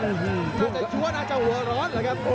น่าจะชัวร์น่าจะหัวร้อน